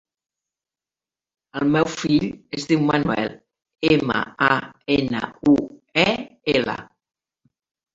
El meu fill es diu Manuel: ema, a, ena, u, e, ela.